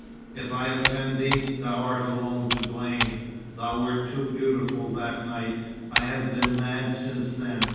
If I offend thee, thou alone art to blame. Thou wert too beautiful that night. I have been mad since then.